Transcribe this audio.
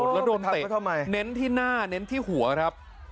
แล้วโดนเตะเน้นที่หน้าเน้นที่หัวครับ